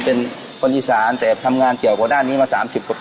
เป็นคนอีสานแต่ทำงานเกี่ยวกับด้านนี้มา๓๐กว่าปี